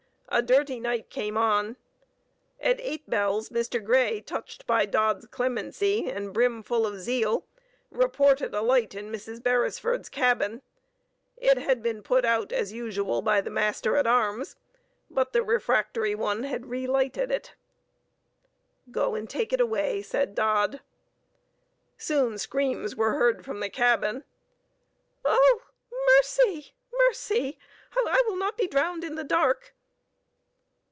A dirty night came on. At eight bells Mr. Grey touched by Dodd's clemency, and brimful of zeal, reported a light in Mrs. Beresford's cabin. It had been put out as usual by the master at arms; but the refractory one had relighted it. "Go and take it away," said Dodd. Soon screams were heard from the cabin. "Oh! mercy! mercy! I will not be drowned in the dark."